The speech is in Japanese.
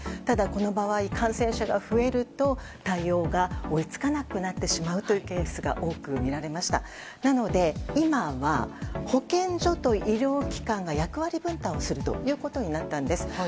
ただ、この場合感染者が増えると対応が追い付かなくなってしまうというケースが多く見られましたので今は保健所と医療機関が役割分担をすることになったんです。